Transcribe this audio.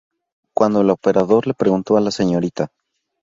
Cuando el operador le preguntó a la Sra.